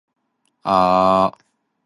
一杯